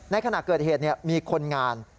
ขณะเกิดเหตุมีคนงาน